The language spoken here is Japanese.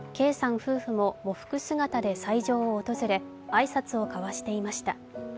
夫婦も喪服姿で斎場を訪れ挨拶を交わしていました。